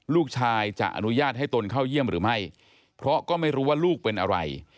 ลูกชายจะอนุญาตให้ตนเข้าเยี่ยมหรือไม่เพราะก็ไม่รู้ว่าลูกเป็นอะไร